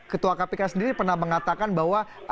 ketua kpk sendiri pernah mengatakan bahwa